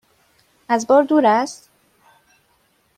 از بار دور است؟